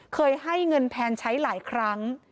เคยให้เงินแพนใช้หลายครั้ง